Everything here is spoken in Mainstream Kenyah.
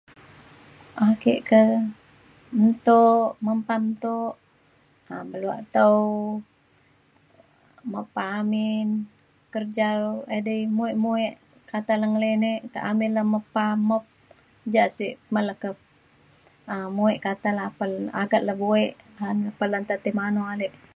ake ke ntok mempam ntok um beluak tau mepa amin kerja edei muek muek kata le ngelinek ka amin na mepa mop ja sik me le ke um muek kata le apan agat le buek apan le nta tei mano alek